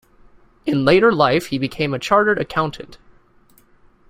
In later life he became a Chartered Accountant.